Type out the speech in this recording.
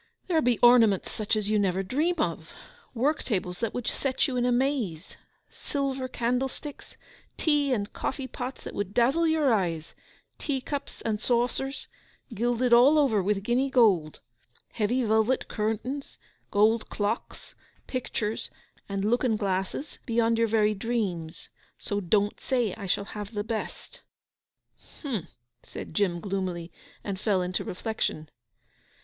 'There be ornaments such as you never dream of; work tables that would set you in amaze; silver candlesticks, tea and coffee pots that would dazzle your eyes; tea cups, and saucers, gilded all over with guinea gold; heavy velvet curtains, gold clocks, pictures, and looking glasses beyond your very dreams. So don't say I shall have the best.' 'H'm!' said Jim gloomily; and fell into reflection.